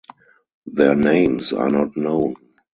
Their names are not known.